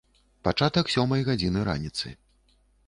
Пачатак сёмай гадзіны раніцы.